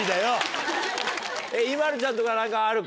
ＩＭＡＬＵちゃんとか何かある？